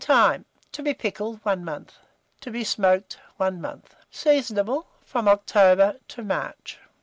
Time. To be pickled 1 month; to be smoked 1 month. Seasonable from October to March.